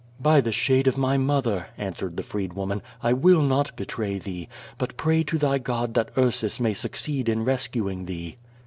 "By the shade of my mother," answered the freedwoman, "I will not betray thee. But pray to thy God that Ursus may succeed in rescuing thee."